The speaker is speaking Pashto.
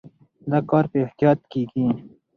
دا کار په احتیاط کېږي.